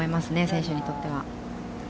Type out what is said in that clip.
選手にとっては。